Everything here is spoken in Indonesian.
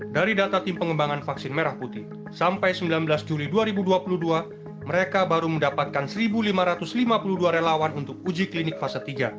dari data tim pengembangan vaksin merah putih sampai sembilan belas juli dua ribu dua puluh dua mereka baru mendapatkan satu lima ratus lima puluh dua relawan untuk uji klinik fase tiga